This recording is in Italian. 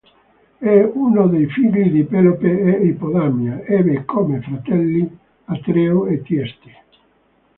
È uno dei figli di Pelope e Ippodamia, ebbe come fratelli Atreo e Tieste.